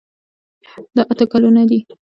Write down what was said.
دا اته ګلونه دي.